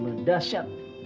terima kasih ya